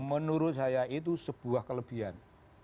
menurut saya itu sebuah kelebihan